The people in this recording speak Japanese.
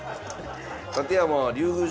館山は竜宮城？